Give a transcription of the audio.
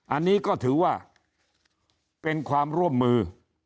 อันนี้ก็ถือว่าเป็นความร่วมมือ